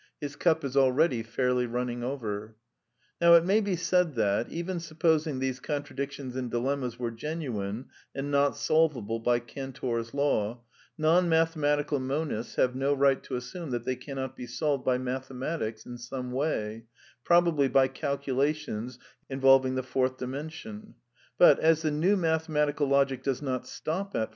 His cup is already fairly running over. Now it may be said that, even supposing these contra dictions and dilemmas were genuine and not solvable by Cantor's law, non mathematical monists have no right to assume that they cannot be solved by mathematics in some way, probably by calculations involving the fourth dimen* But, as the new mathematical logic does not stop at sion.